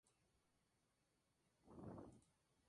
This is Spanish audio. Se le considera pionera en química cuántica molecular polar.